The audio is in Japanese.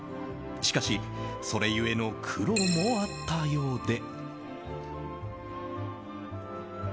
しかし、それ故の苦労もあったようで。